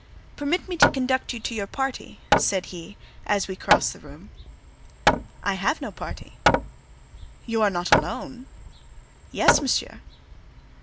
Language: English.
"Permit me to conduct you to your party," said he, as we crossed the room. "I have no party." "You are not alone?" "Yes, Monsieur."